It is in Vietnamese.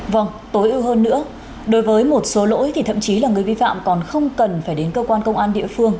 vâng tối ưu hơn nữa đối với một số lỗi thì thậm chí là người vi phạm còn không cần phải đến cơ quan công an địa phương